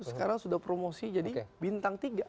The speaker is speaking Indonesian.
sekarang sudah promosi jadi bintang tiga